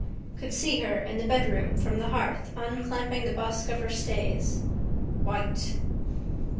Could see her in the bedroom from the hearth unclamping the busk of her stays: white.